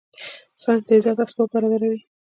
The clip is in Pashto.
ساینس د عزت اسباب برابره وي